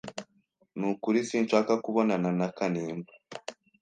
Nukuri sinshaka kubonana na Kanimba.